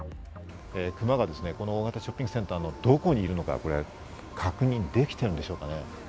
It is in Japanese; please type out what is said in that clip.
クマがですね、この大型ショッピングセンターのどこにいるのか確認できているんでしょうかね？